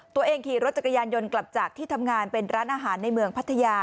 ตัวเองขี่รถจักรยานยนต์กลับจากที่ทำงานเป็นร้านอาหารในเมืองพัทยา